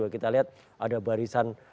kita lihat ada barisan